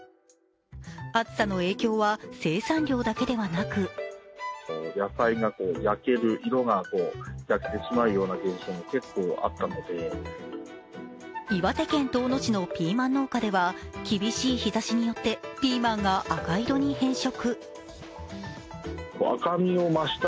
暑さの影響は生産量だけではなく岩手県遠野市のピーマン農家では厳しい日ざしによってピーマンが赤色に変色。